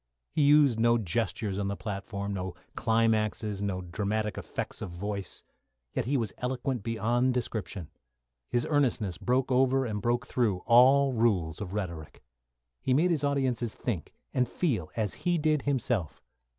He used no gestures on the platform, no climaxes, no dramatic effects of voice, yet he was eloquent beyond description. His earnestness broke over and broke through all rules of rhetoric. He made his audiences think and feel as he did himself.